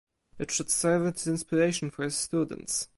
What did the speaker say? It should serve as inspiration for his students.